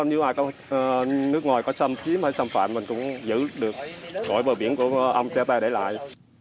nếu ai có nước ngoài có xâm phí hay xâm phạm mình cũng giữ được gọi bờ biển của ông tre ta để lại